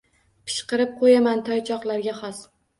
Pishqirib qo’yaman toychoqlarga xos.